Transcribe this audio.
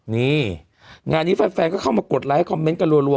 นี่งานนี้แฟนก็เข้ามากดไลค์คอมเมนต์กันรัว